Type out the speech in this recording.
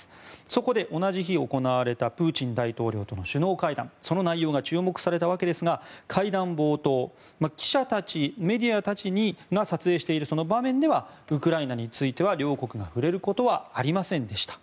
そこで、同じ日行われたプーチン大統領との首脳会談その内容が注目されたわけですが会談冒頭、記者たちメディアたちが撮影しているその場面ではウクライナについては両国が触れることはありませんでした。